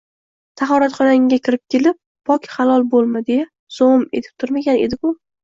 tahoratxonangga kirib kelib... pok-halol bo‘lma, deya, zug‘um etib turmagan edi-ku?